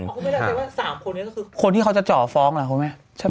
คุณพี่ได้ใจว่า๓คนนี้ก็คือคนที่เขาจะเจาะฟ้องเหรอคุณพี่